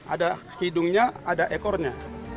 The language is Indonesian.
ada hidungnya ada ekornya